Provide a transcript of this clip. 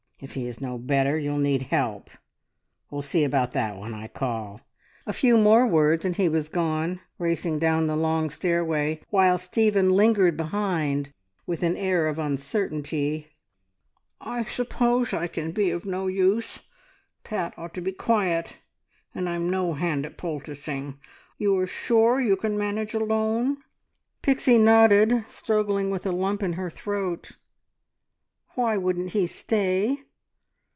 If he is no better you'll need help. We'll see about that when I call." A few more words and he was gone, racing down the long stairway, while Stephen lingered behind with an air of uncertainty. "I suppose I can be of no use! Pat ought to be quiet, and I'm no hand at poulticing. You are sure you can manage alone?" Pixie nodded, struggling with a lump in her throat. Why wouldn't he stay?